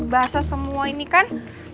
basah semua ini kan